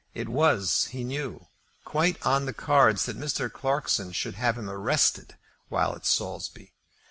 It was, he knew, quite on the cards that Mr. Clarkson should have him arrested while at Saulsby.